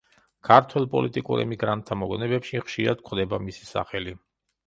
ქართველ პოლიტიკურ ემიგრანტთა მოგონებებში ხშირად გვხვდება მისი სახელი.